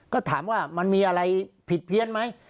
ก็ถามว่ามันมีอะไรผิดเพี้ยนไหม